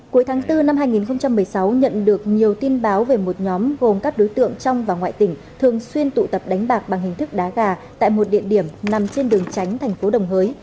cuối tháng bốn năm hai nghìn một mươi sáu nhận được nhiều tin báo về một nhóm gồm các đối tượng trong và ngoài tỉnh thường xuyên tụ tập đánh bạc bằng hình thức đá gà tại một địa điểm nằm trên đường tránh thành phố đồng hới